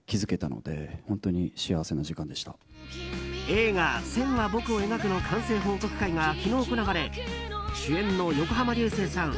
映画「線は、僕を描く」の完成報告会が昨日行われ主演の横浜流星さん